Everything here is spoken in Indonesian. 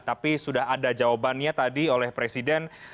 tapi sudah ada jawabannya tadi oleh presiden